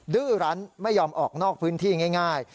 ดื้อรั้นไม่ยอมออกนอกพื้นที่ง่าย